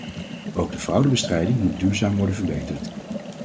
Ook de fraudebestrijding moet duurzaam worden verbeterd.